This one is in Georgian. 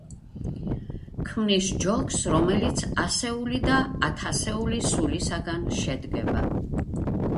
ქმნის ჯოგს, რომელიც ასეული და ათასეული სულისაგან შედგება.